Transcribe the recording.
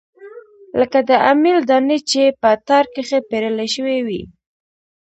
لکه د امېل دانې چې پۀ تار کښې پېرلے شوي وي